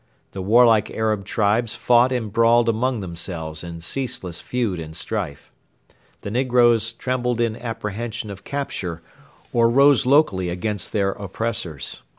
The warlike Arab tribes fought and brawled among themselves in ceaseless feud and strife. The negroes trembled in apprehension of capture, or rose locally against their oppressors.